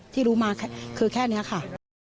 ที่รู้มาคือแค่นี้ค่ะ